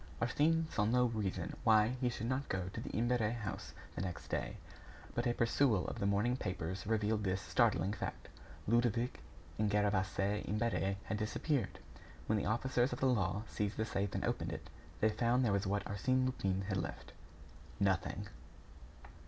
Arsène saw no reason why he should not go to the Imbert house the next day. But a perusal of the morning papers revealed this startling fact: Ludovic and Gervaise Imbert had disappeared. When the officers of the law seized the safe and opened it, they found there what Arsène Lupin had left nothing.